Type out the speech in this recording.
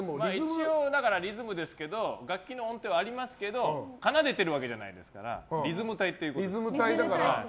一応、リズムですけど楽器の音程はありますけど奏でてるわけじゃないですからリズム隊ってことです。